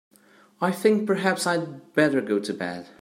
I think perhaps I'd better go to bed.